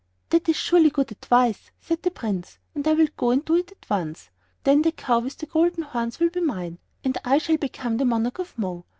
"That is surely good advice," said the Prince, "and I will go and do it at once. Then the cow with the golden horns will be mine, and I shall become the Monarch of Mo."